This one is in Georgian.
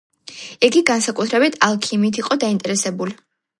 იგი განსაკუთრებით ალქიმიით იყო დაინტერესებული.